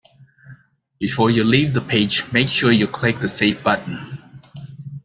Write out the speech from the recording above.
Before you leave the page, make sure you click the save button